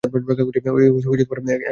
এও এক ধরনের পরম্পরা।